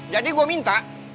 jadi gua minta